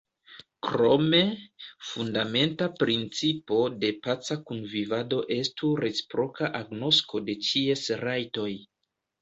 Krome, fundamenta principo de paca kunvivado estu reciproka agnosko de ĉies rajtoj.